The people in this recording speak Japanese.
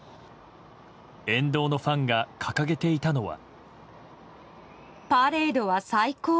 沿道のファンが掲げていたのは。